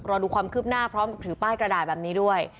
รอดูความคืบหน้าพร้อมกับถือป้ายกระดาษแบบนี้ด้วย